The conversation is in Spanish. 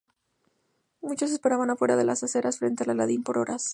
Muchos esperaron afuera en las aceras frente al Aladdin por horas.